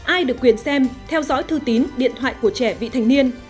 ai được quyền xem theo dõi thư tín điện thoại của trẻ vị thành niên